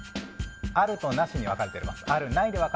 あるとないに分かれています。